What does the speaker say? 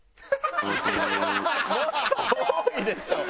もっと多いでしょ。